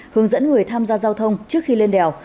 hướng dẫn người tham gia giao thông trước khi lên đèo